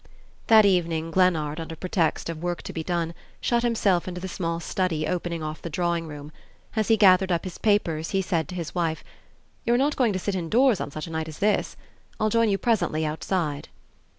That evening Glennard, under pretext of work to be done, shut himself into the small study opening off the drawing room. As he gathered up his papers he said to his wife: "You're not going to sit indoors on such a night as this? I'll join you presently outside."